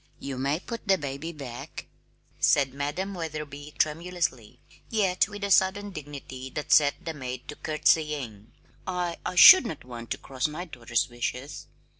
"You may put the baby back," said Madam Wetherby tremulously, yet with a sudden dignity that set the maid to curtsying. "I I should not want to cross my daughter's wishes."